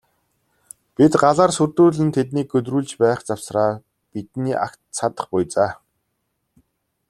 Бид галаар сүрдүүлэн тэднийг гөлрүүлж байх завсраа бидний агт цадах буй за.